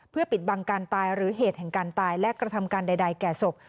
เพื่อปิดบังการตายหรือเหตุแห่งการตายและกระทำการใดแก่ศพ